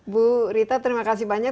bu rita terima kasih banyak